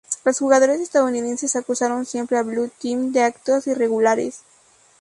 Los jugadores estadounidenses acusaron siempre al Blue Team de actos irregulares.